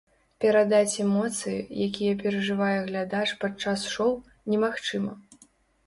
Перадаць эмоцыі, якія перажывае глядач падчас шоў, немагчыма.